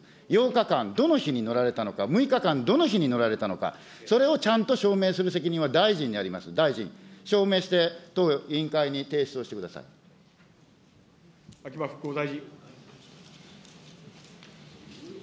８日間、どの日に乗られたのか、６日間、どの日に乗られたのか、それをちゃんと証明する責任は大臣にあります、大臣、証明して、当委員会秋葉復興大臣。